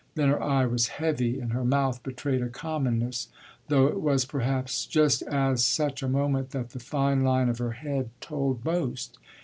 Then her eye was heavy and her mouth betrayed a commonness; though it was perhaps just at such a moment that the fine line of her head told most.